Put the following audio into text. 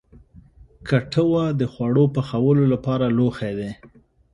کټوه د خواړو پخولو لپاره لوښی دی